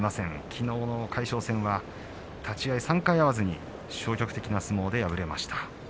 きのうの魁勝戦は立ち合い３回合わずに消極的な相撲で敗れています。